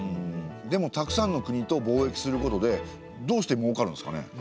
でもたくさんの国と貿易することでどうしてもうかるんですかね。